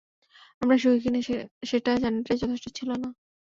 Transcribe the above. আমরা সুখী কিনা সেটা জানাটাই যথেষ্ট ছিল না!